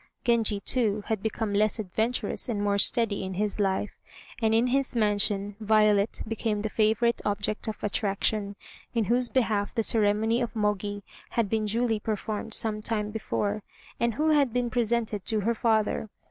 Genji, too, had become less adventurous and more steady in his life; and in his mansion Violet became the favorite object of attraction, in whose behalf the ceremony of Mogi had been duly performed some time before, and who had been presented to her father.